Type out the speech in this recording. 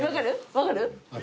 分かる？